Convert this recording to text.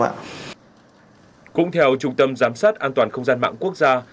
cũng theo trung tâm giám sát an toàn không gian mạng quốc gia